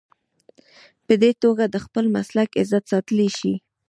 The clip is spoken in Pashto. په دې توګه د خپل مسلک عزت ساتلی شي.